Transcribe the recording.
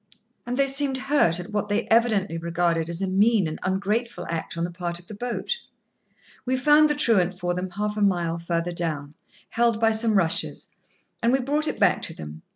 And they seemed hurt at what they evidently regarded as a mean and ungrateful act on the part of the boat. We found the truant for them half a mile further down, held by some rushes, and we brought it back to them.